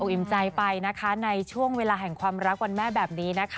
ก็ขอให้เล็กจำเจริญทำอะไรก็ให้สมความปัจจนะนะ